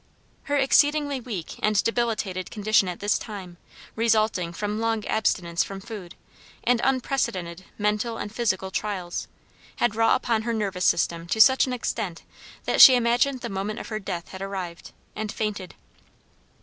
Her exceedingly weak and debilitated condition at this time, resulting from long abstinence from food, and unprecedented mental and physical trials, had wrought upon her nervous system to such an extent that she imagined the moment of her death had arrived, and fainted.